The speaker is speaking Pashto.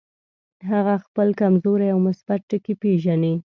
هغه خپل کمزوري او مثبت ټکي پېژني.